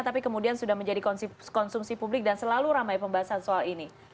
tapi kemudian sudah menjadi konsumsi publik dan selalu ramai pembahasan soal ini